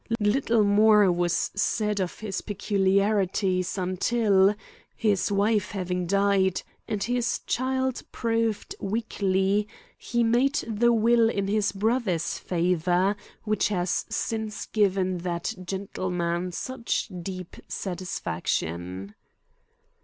Little more was said of his peculiarities until, his wife having died and his child proved weakly, he made the will in his brother's favor which has since given that gentleman such deep satisfaction.